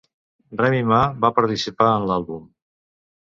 Remy Ma va participar en l'àlbum.